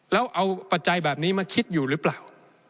แล้วเอาปัจจัยแบบนี้มาคิดอยู่หรือเปล่า